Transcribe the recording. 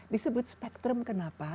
disebut spectrum kenapa